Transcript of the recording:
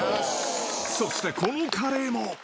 そしてこのカレーも。